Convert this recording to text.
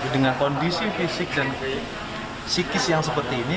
dengan kondisi fisik dan psikis yang seperti ini